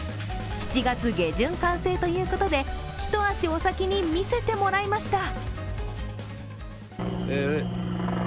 ７月下旬完成ということで一足お先に見せてもらいました。